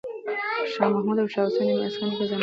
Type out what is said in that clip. شاه محمود او شاه حسین د میرویس نیکه زامن وو.